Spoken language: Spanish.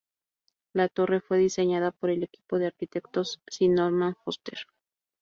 La torre fue diseñada por el equipo de arquitectos Sir Norman Foster.